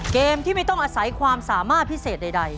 เกมที่ไม่ต้องอาศัยความสามารถพิเศษใด